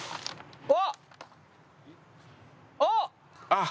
あっ！